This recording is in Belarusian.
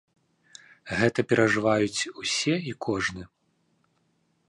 Гэта перажываюць усе і кожны.